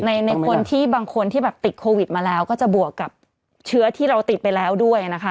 ในคนที่บางคนที่แบบติดโควิดมาแล้วก็จะบวกกับเชื้อที่เราติดไปแล้วด้วยนะคะ